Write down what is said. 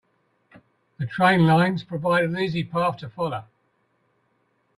The train lines provided an easy path to follow.